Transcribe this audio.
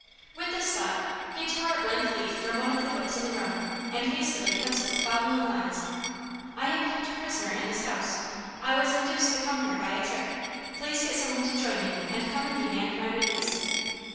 With this thought he tore a blank leaf from one of the books in the room, and hastily penciled the following lines: "I am kept a prisoner in this house. I was induced to come here by a trick. Please get some one to join you, and come and demand my release."